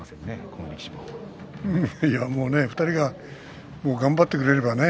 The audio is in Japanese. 他の２人が頑張ってくれればね